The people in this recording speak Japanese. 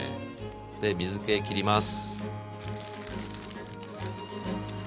で水けきります。